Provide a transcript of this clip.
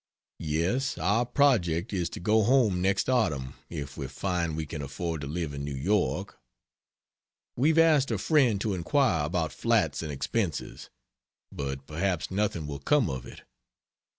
Yes, our project is to go home next autumn if we find we can afford to live in New York. We've asked a friend to inquire about flats and expenses. But perhaps nothing will come of it.